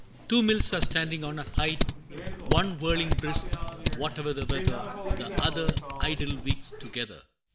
Two mills are standing on a height One whirling brisk, whate'er the weather, The other, idle, weeks together!